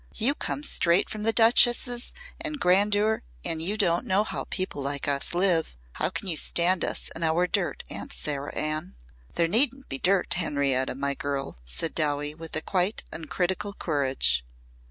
"You come straight from duchesses and grandeur and you don't know how people like us live. How can you stand us and our dirt, Aunt Sarah Ann?" "There needn't be dirt, Henrietta, my girl," said Dowie with quite uncritical courage.